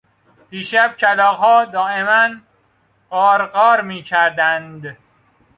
دیشب کلاغها دائما قارقار میکردند.